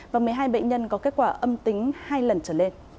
và một mươi hai bệnh nhân có kết quả âm tính hai lần trở lên